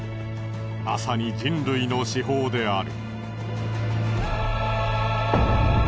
まさに人類の至宝である。